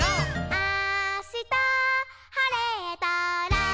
「あしたはれたら」